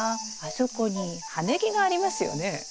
そこに葉ネギがありますよね。